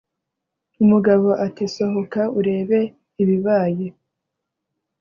umugabo ati"sohoka urebe ibibaye